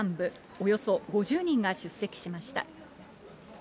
およそ５０人が出席しました。